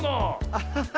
アッハハ！